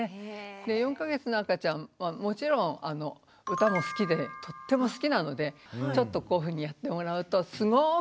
４か月の赤ちゃんはもちろん歌も好きでとっても好きなのでちょっとこういうふうにやってもらうとすごくうれしくなっちゃうんですね。